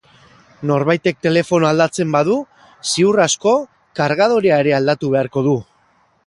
Norbaitek telefonoa aldatzen badu, ziur asko kargadorea ere aldatu beharko du.